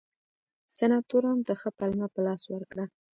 سناتورانو ته ښه پلمه په لاس ورکړه.